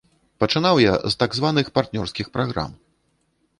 Пачынаў я з так званых партнёрскіх праграм.